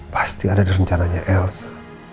pasti ada rencananya elsa